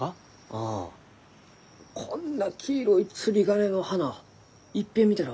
ああこんな黄色い釣り鐘の花いっぺん見たら忘れん。